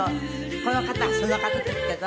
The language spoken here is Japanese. この方がその方なんですけど。